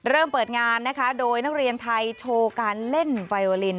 เริ่มเปิดงานนะคะโดยนักเรียนไทยโชว์การเล่นไวโอลิน